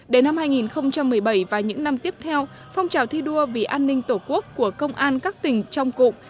đến năm hai nghìn một mươi bảy và những năm tiếp theo phong trào thi đua vì an ninh tổ quốc của công an các tỉnh trong cụm